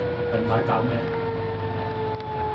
近排搞咩